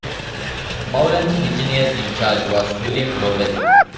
Mowlems' engineer in charge was William Rowell.